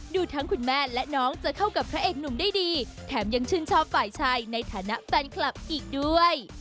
ดูทั้งคุณแม่และน้องจะเข้ากับพระเอกหนุ่มได้ดีแถมยังชื่นชอบฝ่ายชายในฐานะแฟนคลับอีกด้วย